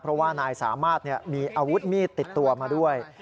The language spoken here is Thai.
เพราะว่านายสามารถมีอาวุธมีดติดตัวมาด้วย